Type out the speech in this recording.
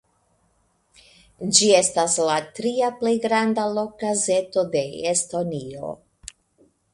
Ĝi estas la tria plej granda lokgazeto de Estonio.